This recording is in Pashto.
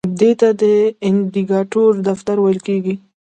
دې ته د اندیکاتور دفتر ویل کیږي.